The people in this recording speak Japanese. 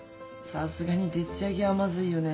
さすがにでっちあげはまずいよねえ。